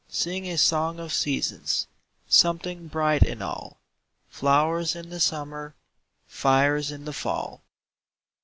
Sing a song of seasons! Something bright in all! Flowers in the summer, Fires in the fall!